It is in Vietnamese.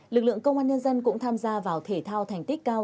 lực lượng công an nhân dân cũng tham gia vào thể thao thành tích cao